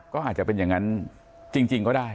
ก็อาจจะเป็นอย่างนั้นจริงก็ได้